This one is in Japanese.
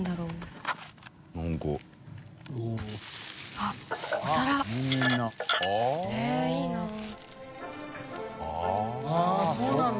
あぁそうなんだ。